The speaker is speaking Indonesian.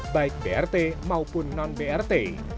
baik brt maupun non brt